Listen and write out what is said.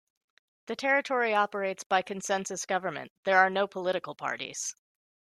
The territory operates by consensus government; there are no political parties.